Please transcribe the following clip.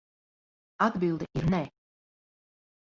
Atbilde ir nē.